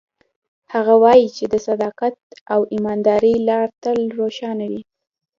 هغه وایي چې د صداقت او امانتدارۍ لار تل روښانه وي